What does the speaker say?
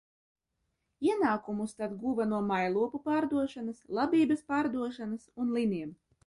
Ienākumus tad guva no mājlopu pārdošanas, labības pārdošanas un liniem.